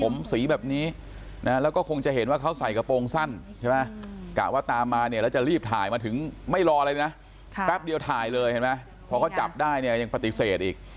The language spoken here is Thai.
ไม่รออะไรนะครับครับเดี๋ยวถ่ายเลยเห็นไหมพอเขาจับได้เนี้ยยังปฏิเสธอีก